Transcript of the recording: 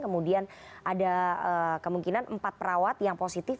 kemudian ada kemungkinan empat perawat yang positif